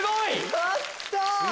やった！